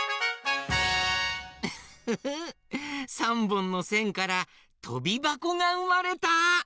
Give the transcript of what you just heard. ３ぼんのせんからとびばこがうまれた！